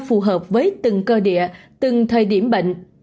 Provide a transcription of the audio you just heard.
phù hợp với từng cơ địa từng thời điểm bệnh